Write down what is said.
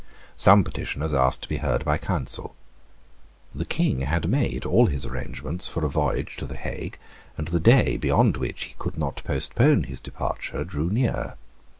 Some petitioners asked to be heard by counsel. The King had made all his arrangements for a voyage to the Hague; and the day beyond which he could not postpone his departure drew near.